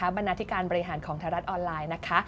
บรรณาธิการบริหารของไทยรัฐออนไลน์นะคะ